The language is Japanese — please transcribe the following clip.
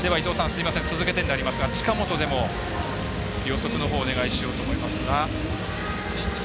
続けてになりますが近本でも予測のほうをお願いしようと思いますが。